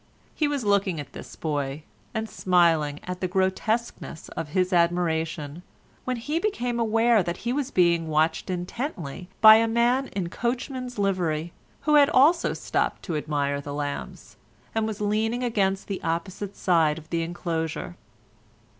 He was looking at this boy and smiling at the grotesqueness of his admiration, when he became aware that he was being watched intently by a man in coachman's livery, who had also stopped to admire the lambs, and was leaning against the opposite side of the enclosure.